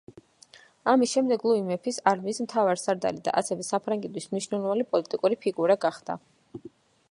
ამის შემდეგ ლუი მეფის არმიის მთავარსარდალი და ასევე საფრანგეთის მნიშვნელოვანი პოლიტიკური ფიგურა გახდა.